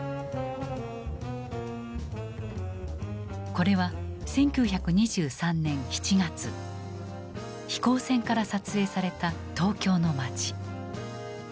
これは１９２３年７月飛行船から撮影された東京の街。